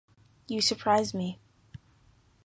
You surprise me.